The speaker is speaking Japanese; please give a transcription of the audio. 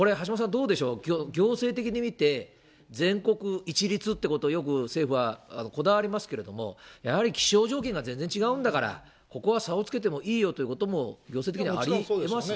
どうでしょう、行政的に見て、全国一律ってことをよく政府はこだわりますけれども、やはり気象条件が全然違うんだから、ここは差をつけてもいいよということも、行政的にはありえます？